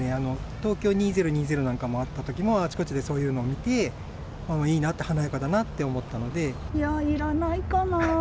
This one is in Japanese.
東京２０２０なんかもあったときも、あちこちでそういうのを見て、いいなって、いや、いらないかな。